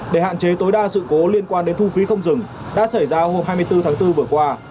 để hạn chế tối đa sự cố liên quan đến thu phí không dừng đã xảy ra hôm hai mươi bốn tháng bốn vừa qua